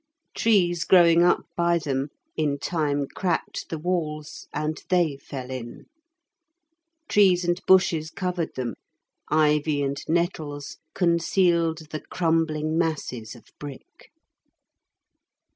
Trees growing up by them in time cracked the walls, and they fell in. Trees and bushes covered them; ivy and nettles concealed the crumbling masses of brick.